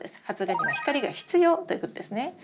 発芽には光が必要ということですね。